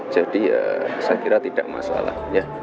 jadi ya saya kira tidak masalah